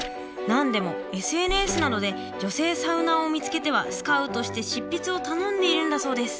何でもＳＮＳなどで女性サウナーを見つけてはスカウトして執筆を頼んでいるんだそうです。